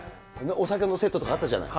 お酒のセットとかあったじゃない。